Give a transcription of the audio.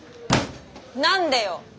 何でよ！